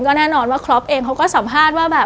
แน่นอนว่าครอปเองเขาก็สัมภาษณ์ว่าแบบ